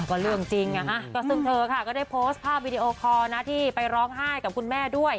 ก็เรื่องจริงซึ่งเธอค่ะก็ได้โพสต์ภาพวิดีโอคอร์นะที่ไปร้องไห้กับคุณแม่ด้วย